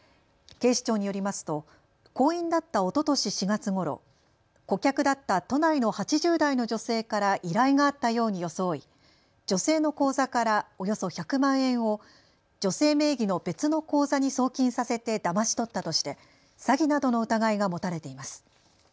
警視庁によりますと行員だったおととし４月ごろ、顧客だった都内の８０代の女性から依頼があったように装い女性の口座からおよそ１００万円を女性名義の別の口座に送金させてだまし取ったとして詐欺などの疑いが持たれています。